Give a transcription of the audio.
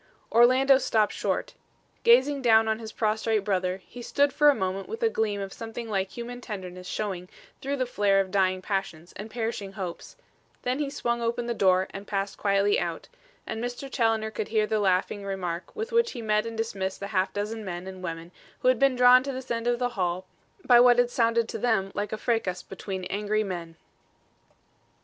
Orlando stopped short. Gazing down on his prostrate brother, he stood for a moment with a gleam of something like human tenderness showing through the flare of dying passions and perishing hopes; then he swung open the door and passed quietly out, and Mr. Challoner could hear the laughing remark with which he met and dismissed the half dozen men and women who had been drawn to this end of the hall by what had sounded to them like a fracas between angry men.